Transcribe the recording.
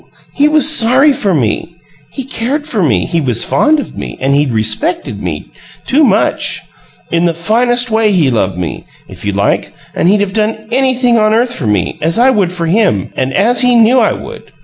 He was sorry for me. He cared for me; he was fond of me; and he'd respected me too much! In the finest way he loved me, if you like, and he'd have done anything on earth for me, as I would for him, and as he knew I would.